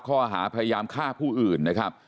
ข้อหาพยายามฆ่าผู้อื่นนะครับ